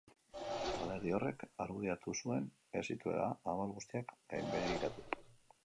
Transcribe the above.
Alderdi horrek argudiatu zuen ez zituela abal guztiak gainbegiratu.